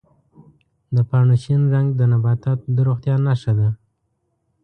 د پاڼو شین رنګ د نباتاتو د روغتیا نښه ده.